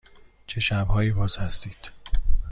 چه شب هایی باز هستید؟